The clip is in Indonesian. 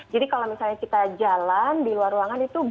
jadi kalau misalnya kita jalan di luar ruangan itu